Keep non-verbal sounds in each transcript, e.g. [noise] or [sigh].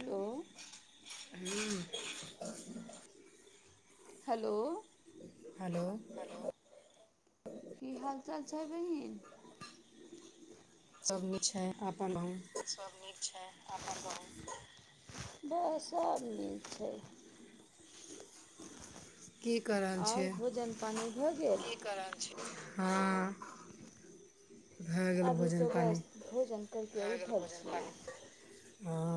Hello ह्म्म hello hello की हाल चाल छैइ बहीन? सब निक छै, अपन कहु? सभ नीक छै, अपन कहु? बस सभ नीक छै। की कऽ रहल और छियै भोजन पानी भए गेल? हँ भए गेल अभी भोजन तऽ पानि बस भोजन करिक उठल छी। हां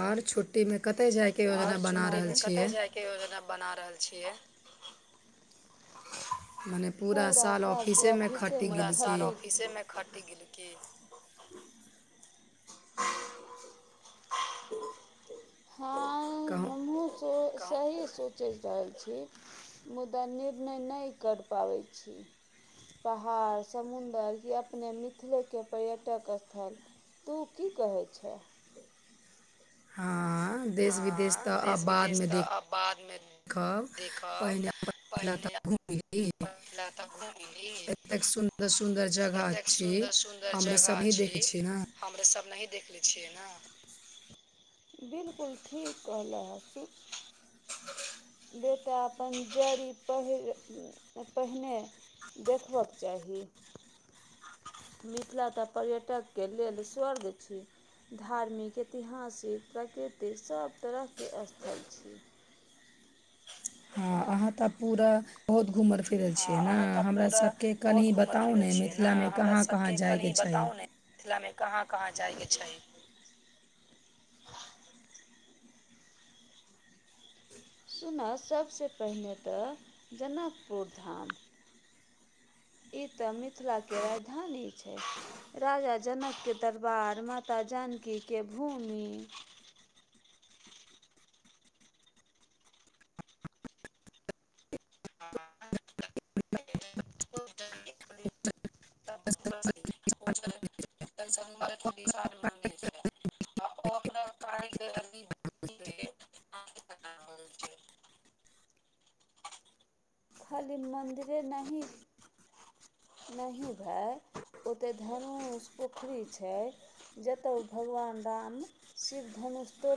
और छुट्टीमे कतय जाइके योजना बना रहल छियै? के योजना बना रहल छियै। मने पूरा साल ऑफिसेमे अफीसे खटि पूरा गेल की साल ऑफिसे मे खटि गेलि की? हाँ कहू? उतो सही सोचि रहल छी। मुदा निर्णय नहि करि पाबैत छी। पहाड़, समुदर ये अपने मिथिले के पर्यटक स्थल तू की कहै छै? हँ देश विदेश हँ तऽ आब देश विदेश बादमे तऽ देख आब बादमे घ देखब पहिने पहिले तऽ घूमि ली [unintelligible] एतेक सुन्दर- सुदर जगह एतेक छी, सुन्दर सुन्दर हमरे जगह सबी देख छी ने हमरे सब नहि देखले छैय न। बिलकुल ठीक कहलला [unintelligible] हाफु देता अपन जड़ी पहिर पहिने देखबक चाही मिथिला तऽ पर्यटकके लेल स्वर्ग छी। धार्मिक ऐतिहासिक प्राकृतिक सभ तरहके स्थल छी। [inaudible] हँ अहाँ तऽ पूरा बहुत घूमल फिरल छीये हँ न? अहाँ तऽ हमरा पूरा सबके बहुत कनी घूमल बताउ फिरल ने छियै मिथिला मे हमरा कहाँ कहाँ सबके जाइके कनि छै? बताउ ने मिथिलामे कहाँ कहाँ जाइके छै? सुनऽ सभसँ पहिने तऽ जनकपुर धाम ई तऽ मिथिलाके राजधानी छै। राजा जनक के दरबार, माता जानकी के भूमि [inaudible] छै [unintelligible] आ ओ ओकरा कारीगरी छै [unintelligible] खाली मन्दिरे नहि नहि भेय। ओते धनुष पोखरि छै। जतअ ओ भगवान राम शिवधनुष तो